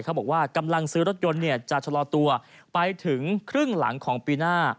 บอกว่ากำลังซื้อรถยนต์จะชะลอตัวไปถึงครึ่งหลังของปีหน้า